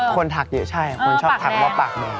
ทักเยอะใช่คนชอบทักว่าปากมือ